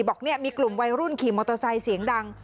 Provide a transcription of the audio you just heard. บอกเนี่ยมีกลุ่มวัยรุ่นขี่มอเตอร์ไซค์เสียงดัง